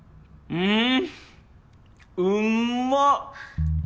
うん。